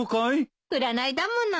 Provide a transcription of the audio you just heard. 占いだもの。